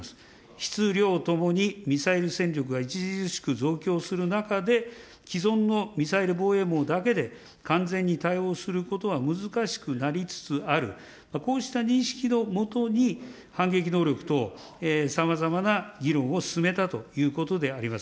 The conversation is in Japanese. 質、量ともにミサイル戦力が著しく増強する中で、既存のミサイル防衛網だけで完全に対応することは難しくなりつつある、こうした認識のもとに、反撃能力等、さまざまな議論を進めたということであります。